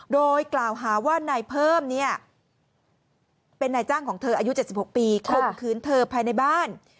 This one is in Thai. โดยกล่าวหาว่านายเพิ่มเนี่ยเป็นนายจ้างของเธออายุ๗๖ปีข่มขืนเธอภายในบ้าน